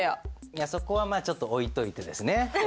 いやそこはまあちょっと置いといてですね。